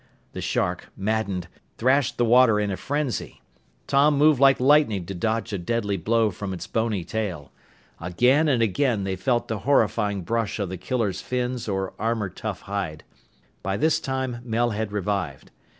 The shark, maddened, thrashed the water in a frenzy. Tom moved like lightning to dodge a deadly blow from its bony tail. Again and again they felt the horrifying brush of the killer's fins or armor tough hide. By this time, Mel had revived.